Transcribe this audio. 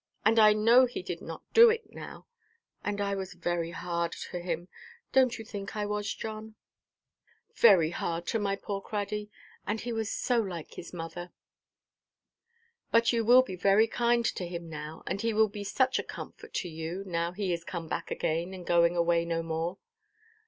And I know he did not do it, now; and I was very hard to him—donʼt you think I was, John?—very hard to my poor Craddy, and he was so like his mother!" "But you will be very kind to him now; and he will be such a comfort to you, now he is come back again, and going away no more."